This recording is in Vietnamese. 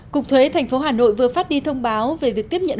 cục thuế tp hà nội vừa phát đi thông báo về việc tiếp nhận